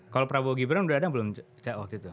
kalau prabowo gibran udah ada belum cak waktu itu